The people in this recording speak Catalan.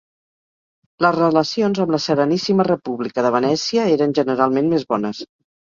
Les relacions amb la Sereníssima República de Venècia eren generalment més bones.